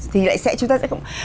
thì chúng ta sẽ không